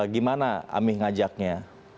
gimana ami ngajaknya